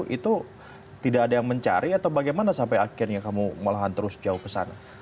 itu tidak ada yang mencari atau bagaimana sampai akhirnya kamu malahan terus jauh ke sana